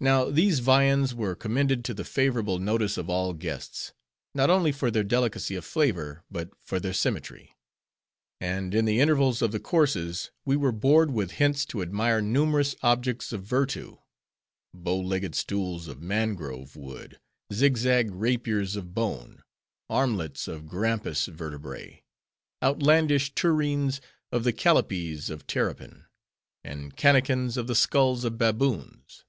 Now these viands were commended to the favorable notice of all guests; not only for their delicacy of flavor, but for their symmetry. And in the intervals of the courses, we were bored with hints to admire numerous objects of vertu: bow legged stools of mangrove wood; zig zag rapiers of bone; armlets of grampus vertebrae; outlandish tureens of the callipees of terrapin; and cannakins of the skulls of baboons.